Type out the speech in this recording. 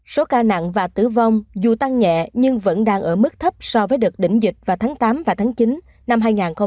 số ca nặng và tử vong dù tăng nhẹ nhưng vẫn đang ở mức thấp so với đợt đỉnh dịch vào tháng tám và tháng chín năm hai nghìn hai mươi ba